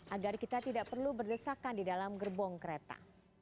agar kita tidak perlu berdesakan di dalam gerbong kereta